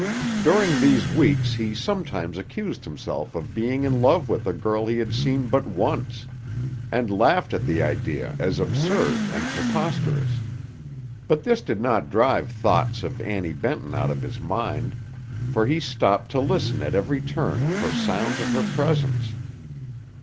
During these weeks he sometimes accused himself of being in love with a girl he had seen but once, and laughed at the idea as absurd and preposterous; but this did not drive thoughts of Annie Benton out of his mind, for he stopped to listen at every turn for sounds of her presence.